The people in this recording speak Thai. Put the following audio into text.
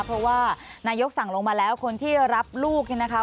เพราะว่านายกกฎมตรีนั้นก็คงต้องพยายามทำให้เกิดขึ้นได้จริงนะคะ